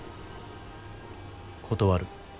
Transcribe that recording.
断る。